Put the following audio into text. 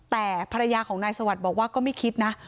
แต่ภรรยาของนายสวัสดิ์บอกว่าก็ไม่คิดนะ